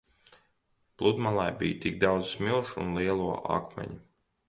Pludmalē bija tik daudz smilšu un lielo akmeņu.